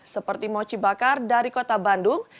seperti mochi bakar dari kota bandung